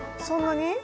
そんなに？